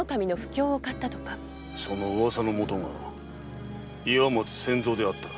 その噂のもとが岩松千蔵であったか。